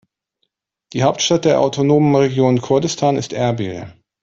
Die Hauptstadt der autonomen Region Kurdistan ist Erbil.